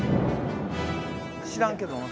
知らんけどな！